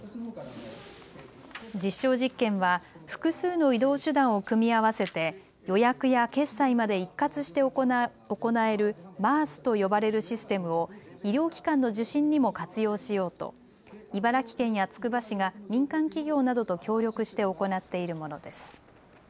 実証実験は複数の移動手段を組み合わせて予約や決済まで一括して行えるＭａａＳと呼ばれるシステムを医療機関の受診にも活用しようと茨城県やつくば市が民間企業などと協力して行っているものです。